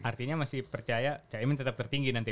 artinya masih percaya cak imin tetap tertinggi